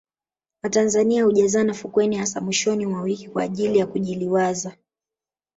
watanzania hujazana fukweni hasa mwishoni mwa wiki kwa ajili ya kujiliwaza